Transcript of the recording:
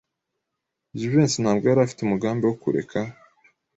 Jivency ntabwo yari afite umugambi wo kureka.